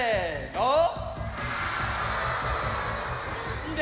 いいね！